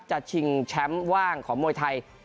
ชิงแชมป์ว่างของมวยไทย